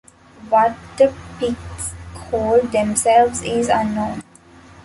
What the Picts called themselves is unknown.